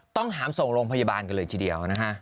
ต้องหามส่งลงพยาบาลเลยทีเดียว